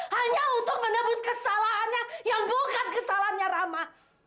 hanya untuk menembus kesalahannya yang bukan kesalahannya rama